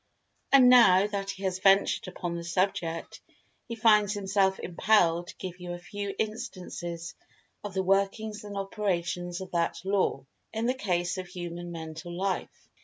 And, now that he has ventured upon the subject, he finds himself impelled to give you a few instances of the workings and operations of that Law, in the case of Human Mental Life.